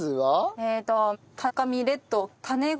えっと。